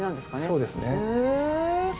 そうですね。